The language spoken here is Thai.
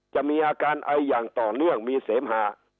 จะมีอาการไออย่างต่อเนื่องมีเสมหา